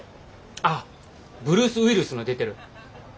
あっブルース・ウィルスが出てる。